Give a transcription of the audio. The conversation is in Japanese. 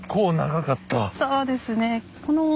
そうですね。